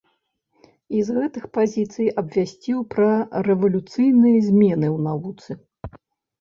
І з гэтых пазіцый абвясціў пра рэвалюцыйныя змены ў навуцы.